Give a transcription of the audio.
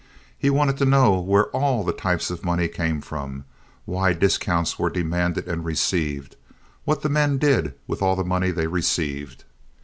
He wanted to know where all the types of money came from, why discounts were demanded and received, what the men did with all the money they received.